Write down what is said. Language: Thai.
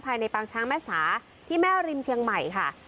ภายในปางช้างแม่สาที่แม่ริมเชียงใหม่ค่ะ